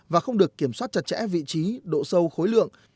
và không được kiểm soát chặt chẽ vị trí độ sâu khối lượng